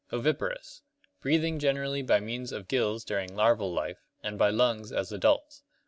Oviparous. Breathing generally by means of gills during larval life and by lungs as adults.